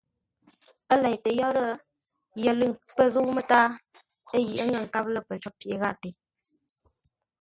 Ə́ leitə́ yórə́, yəlʉ̂ŋ pə̂ zə̂u mətǎa yi ə́ ŋə̂ nkâp lə́ pəcó pye gháʼate.